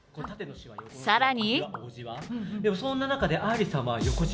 さらに。